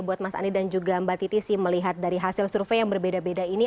buat mas andi dan juga mbak titi sih melihat dari hasil survei yang berbeda beda ini